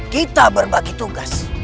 kita berbagi tugas